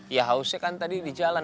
ya hausnya kan tadi di jalan